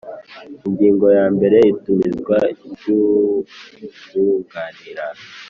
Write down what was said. Ingingo ya mbere Itumizwa ry uwunganira